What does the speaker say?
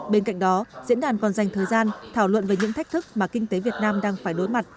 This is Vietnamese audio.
bên cạnh đó diễn đàn còn dành thời gian thảo luận về những thách thức mà kinh tế việt nam đang phải đối mặt